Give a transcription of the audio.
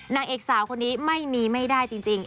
นางเอกสาวคนนี้ไม่มีไม่ได้จริง